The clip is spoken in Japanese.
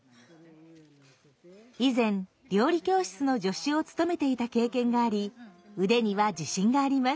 以前料理教室の助手を務めていた経験があり腕には自信があります。